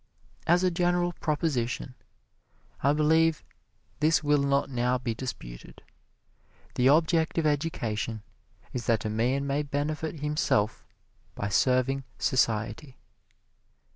As a general proposition, I believe this will not now be disputed: the object of education is that a man may benefit himself by serving society.